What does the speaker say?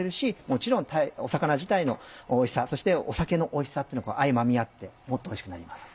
もちろん魚自体のおいしさそして酒のおいしさっていうのが相まみあってもっとおいしくなります。